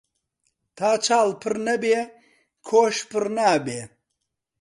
تا چاڵ پڕ نەبێ کۆش پڕ نابێ